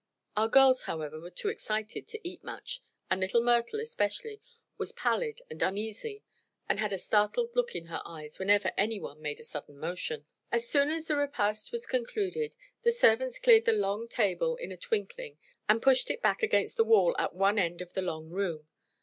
Our girls, however, were too excited to eat much and little Myrtle, especially, was pallid and uneasy and had a startled look in her eyes whenever anyone made a sudden motion. As soon as the repast was concluded the servants cleared the long table in a twinkling and pushed it back against the wall at one end of the long room.